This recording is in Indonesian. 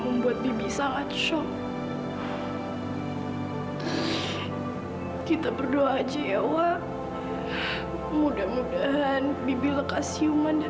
sampai jumpa di video selanjutnya